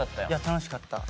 楽しかった。